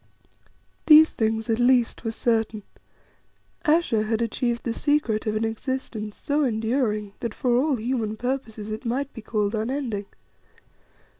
These things at least were certain: Ayesha had achieved the secret of an existence so enduring that for all human purposes it might be called unending.